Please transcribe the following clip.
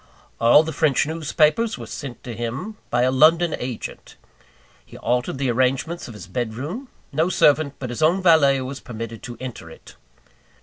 All the French newspapers were sent to him by a London agent. He altered the arrangements of his bed room; no servant but his own valet was permitted to enter it.